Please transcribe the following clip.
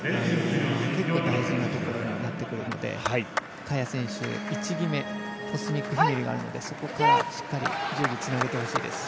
結構大事なところになってくるので萱選手位置決めに定評があるのでそこからしっかりとつなげてほしいです。